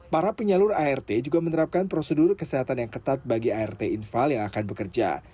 para penyalur art juga menerapkan prosedur kesehatan yang ketat bagi art infal yang akan bekerja